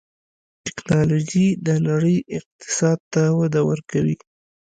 ټکنالوجي د نړۍ اقتصاد ته وده ورکوي.